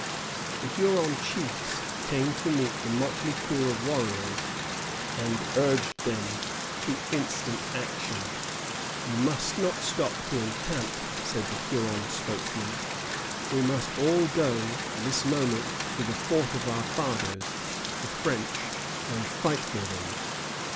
The Huron chiefs came to meet the motley crew of warriors, and urged them to instant action. "You must not stop to encamp," said the Huron spokesman; "we must all go this moment to the fort of our fathers, the French, and fight for them."